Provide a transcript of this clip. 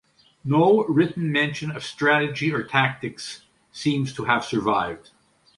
No written mention of strategy or tactics seems to have survived.